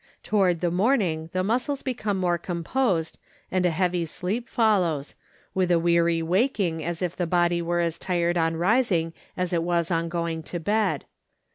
Toward the morning the muscles become more composed and a heavy sleep follows, with a weary waking as if the body were as tired on rising as it was on going to bed.